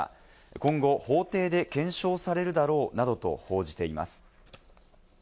今後、法廷で検証されるだろうなどと報じています。